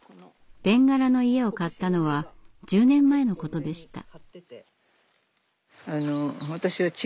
べんがらの家を買ったのは１０年前のことでした。